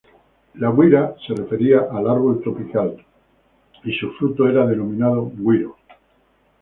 La güira se refería al árbol tropical y su fruto era denominado güiro.